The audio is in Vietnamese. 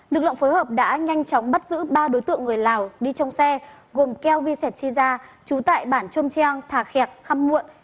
lực lượng phối hợp đã nhanh chóng bắt giữ ba đối tượng người lào đi trong xe gồm keo vi sẹt chi ra trú tại bản chôm treo thả khẹp khăm muộn